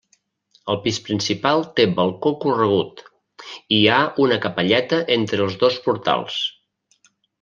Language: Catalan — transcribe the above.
El pis principal té balcó corregut, i hi ha una capelleta entre els dos portals.